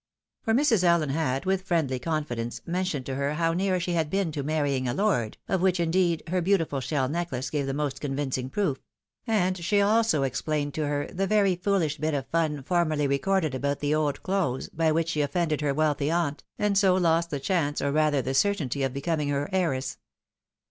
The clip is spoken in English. For Mrs. Allen had, with friendly confidence, mentioned to her how near she had been to marrying a lord, of which, indeed, her beautiful shell necklace gave the most convincing proof; and she also explained to her the very foolish bit of fun formerly recorded about the old clothes, by which she offended her wealthy aimt, and so lost the chance, or rather the certainty, of becoming her heiress.